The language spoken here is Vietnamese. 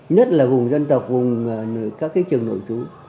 nhất là vùng dân tộc vùng các trường nội trú